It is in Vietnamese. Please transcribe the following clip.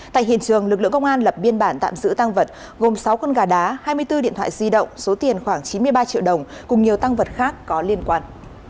tại hiện trường lực lượng công an lập biên bản tạm giữ tăng vật gồm sáu con gà đá hai mươi bốn điện thoại di động số tiền khoảng chín mươi ba triệu đồng cùng nhiều tăng vật khác có liên quan